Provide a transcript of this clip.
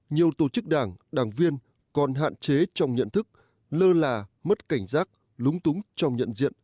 nhiều tổ chức đảng đảng viên còn hạn chế trong nhận thức lơ là mất cảnh giác lúng túng trong nhận diện